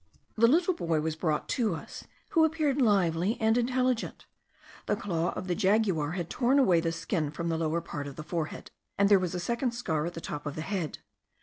The little boy was brought to us, who appeared lively and intelligent. The claw of the jaguar had torn away the skin from the lower part of the forehead, and there was a second scar at the top of the head.